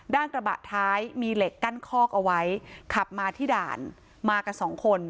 กระบะท้ายมีเหล็กกั้นคอกเอาไว้ขับมาที่ด่านมากันสองคน